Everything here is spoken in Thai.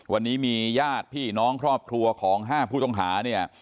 วันนี้มีญาติพี่น้องครอบครัวของ๕ผู้ต้องหาเนี่ย